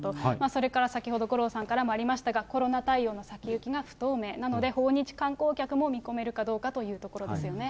それから先ほど五郎さんからもありましたが、コロナ対応の先行きが不透明なので、訪日観光客も見込めるかどうかというところですよね。